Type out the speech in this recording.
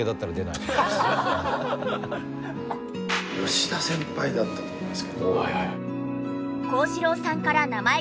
吉田先輩だったと思いますけど。